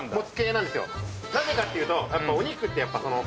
なぜかっていうとお肉ってやっぱそのう。